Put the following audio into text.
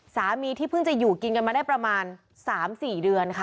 สามีที่เพิ่งจะอยู่กินกันมาได้ประมาณ๓๔เดือนค่ะ